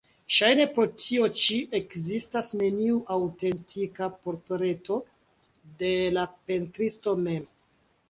Ŝajne pro tio ĉi ekzistas neniu aŭtentika portreto de la pentristo mem.